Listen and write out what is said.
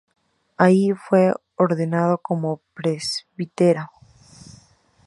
Allí fue ordenado como presbítero.